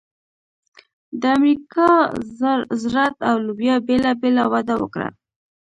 د امریکا ذرت او لوبیا بېله بېله وده وکړه.